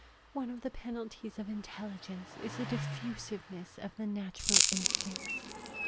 One of the penalties of intelligence is a diffusiveness of the natural instincts.